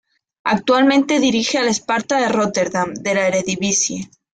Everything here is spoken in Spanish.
Actualmente dirige al Sparta de Rotterdam de la Eredivisie.